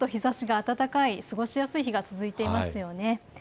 ここしばらく、日ざしが暖かい、過ごしやすい日が続いていますね。